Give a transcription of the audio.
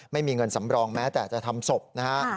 ไม่มีเงินสำรองแม้แต่จะทำศพนะฮะ